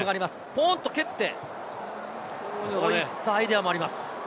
ポンと蹴って、こういったアイデアもあります。